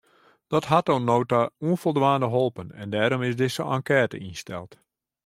Dat hat oant no ta ûnfoldwaande holpen en dêrom is dizze enkête ynsteld.